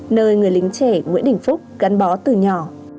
nơi người lính trẻ nguyễn đình phúc gắn bó từ nhỏ